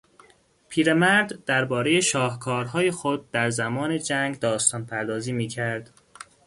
پیرمرد دربارهی شاهکارهای خود در زمان جنگ داستانپردازی میکرد.